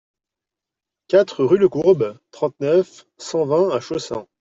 quatre rue Lecourbe, trente-neuf, cent vingt à Chaussin